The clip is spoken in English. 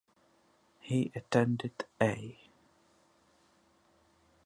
He attended A.